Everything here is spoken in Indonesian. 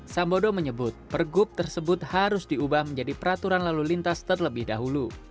sambodo menyebut pergub tersebut harus diubah menjadi peraturan lalu lintas terlebih dahulu